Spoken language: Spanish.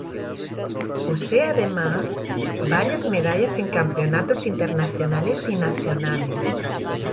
Posee además varias medallas en campeonatos internacionales y nacionales.